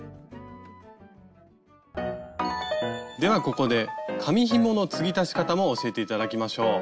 ではここで紙ひもの継ぎ足し方も教えて頂きましょう。